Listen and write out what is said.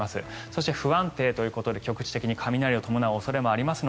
そして、不安定ということで局地的に雷を伴う恐れもあります。